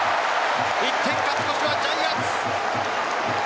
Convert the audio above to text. １点勝ち越しはジャイアンツ。